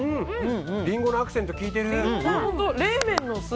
リンゴのアクセント効いてる！